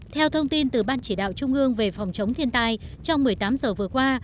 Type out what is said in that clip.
theo thông tin từ ban chỉ đạo trung ương về phòng chống thiên tai trong một mươi tám giờ vừa qua